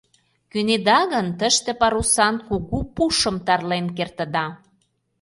Кӧнеда гын, тыште парусан кугу пушым тарлен кертыда.